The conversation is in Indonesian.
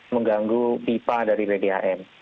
mengganggu pipa dari wdam